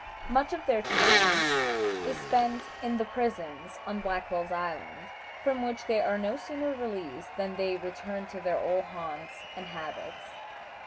Much of their time is spent in the prisons on Blackwell's Island, from which they are no sooner released than they return to their old haunts and habits.